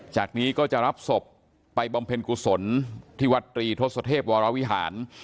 จากนี้ก็จะรับศพไปบำเพ็ญกุศลที่วัดตรีทศเทพวรวิหาร